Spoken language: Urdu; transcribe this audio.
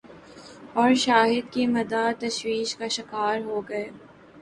اور شاہد کے مداح تشویش کا شکار ہوگئے۔